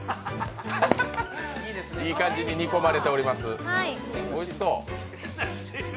いい感じに煮込まれております、おいしそう。